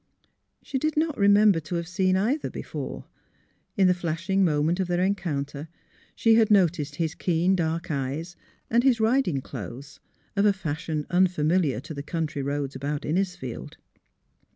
She did not remember to have seen either before. In the flashing moment of their en counter she had noticed his keen, dark eyes and his riding clothes, of a fashion unfamiliar to the country roads about Innisfield.